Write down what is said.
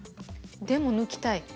でも抜きたい。